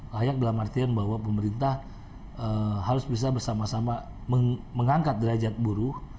layak dalam artian bahwa pemerintah harus bisa bersama sama mengangkat derajat buruh